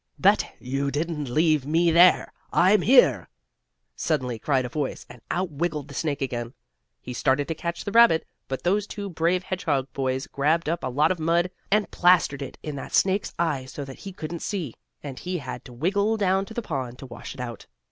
"But you didn't leave me there. I'm here!" suddenly cried a voice, and out wiggled the snake again. He started to catch the rabbit, but those two brave hedgehog boys grabbed up a lot of mud, and plastered it in that snake's eyes so that he couldn't see, and he had to wiggle down to the pond to wash it out.